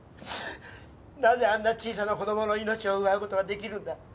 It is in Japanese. なぜあんな小さな子供の命を奪う事ができるんだ？